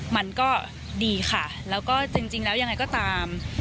มันก็ดีค่ะแล้วก็จริงแล้วยังไงก็ตาม